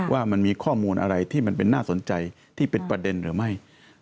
ว่ามันมีข้อมูลอะไรที่มันเป็นน่าสนใจที่เป็นประเด็นหรือไม่